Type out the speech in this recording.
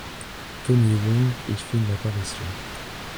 Tony Wong y fait une apparition.